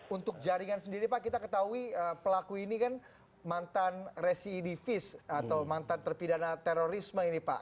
untuk jaringan sendiri pak kita ketahui pelaku ini kan mantan residivis atau mantan terpidana terorisme ini pak